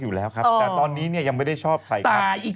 อยู่แล้วครับแต่ตอนนี้เนี่ยยังไม่ได้ชอบใครครับ